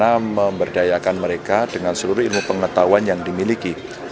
dan bagaimana memberdayakan mereka dengan seluruh ilmu pengetahuan yang diinginkan